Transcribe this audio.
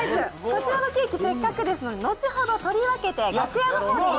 こちらのケーキ、せっかくですので、後ほど、取り分けて楽屋の方に。